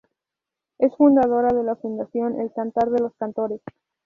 Es fundadora de la Fundación ""El cantar de los cantores".